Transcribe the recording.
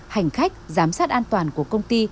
hành khách giám sát an toàn của công ty